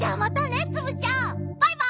バイバイ！